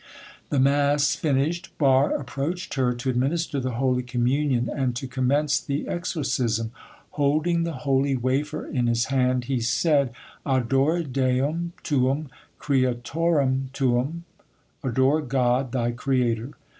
The mass finished, Barre approached her to administer the holy communion and to commence the exorcism. Holding the holy wafer in his hand, he said— "Adora Deum tuum, creatorem tuum" (Adore God, thy Creator).